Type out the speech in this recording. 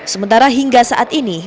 sementara hingga saat ini